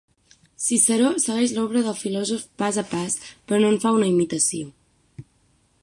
Ciceró segueix l'obra del filòsof pas a pas però no en fa una imitació.